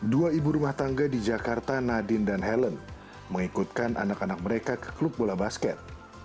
dua ibu rumah tangga di jakarta nadine dan helen mengikutkan anak anak mereka ke klub bola basket